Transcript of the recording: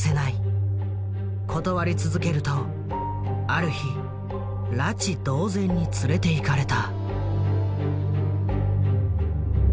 断り続けるとある日拉致同然に連れていかれた。